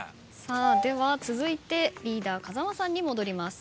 では続いてリーダー風間さんに戻ります。